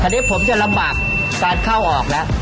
อันนี้ผมจะลำบากการเข้าออกแล้ว